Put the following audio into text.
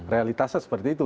realitasnya seperti itu